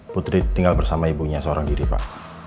putri tinggal bersama ibunya seorang diri pak